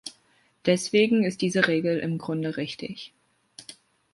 Deswegen ist diese Regel im Grunde richtig.